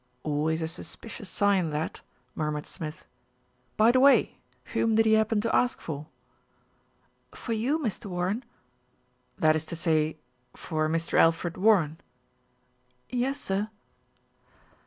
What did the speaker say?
"Always a suspicious sign, that," murmured Smith. "By the way, whom did he happen to ask for?" "For you, Mr. Warren." "That is to say for Mr. Alfred Warren?" "Yes, sir."